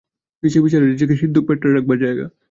নীচে বিছানার নীচে সিন্দুক প্যাঁটরা রাখবার জায়গা।